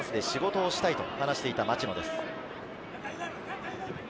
与えられたチャンスで仕事をしたいと話していた町野です。